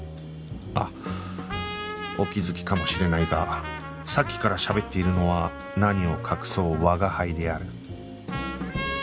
あっお気づきかもしれないがさっきからしゃべっているのは何を隠そう吾輩である